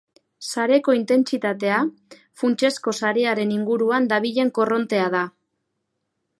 Sareko intentsitatea funtsezko sarearen inguruan dabilen korrontea da.